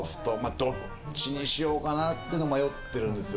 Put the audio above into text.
どっちにしようかなっての迷ってるんですよ。